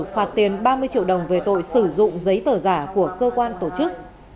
phạt tiền ba mươi triệu đồng về tội sử dụng giấy tờ giả của cơ quan tổ chức